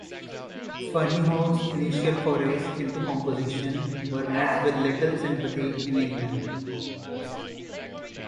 Ferneyhough's initial forays into composition were met with little sympathy in England.